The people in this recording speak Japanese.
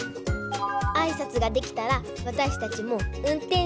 あいさつができたらわたしたちもうんてんしゅ